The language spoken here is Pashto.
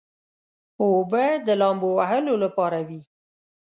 اوبه د لامبو وهلو لپاره وي.